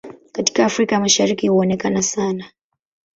Katika Afrika ya Mashariki huonekana sana.